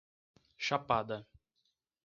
Chapada